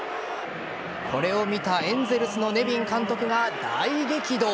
これを見たエンゼルスのネビン監督が大激怒。